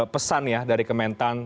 pesan ya dari kementan